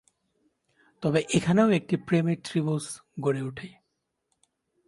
তবে এখানেও একটি প্রেমের ত্রিভুজ গড়ে উঠে।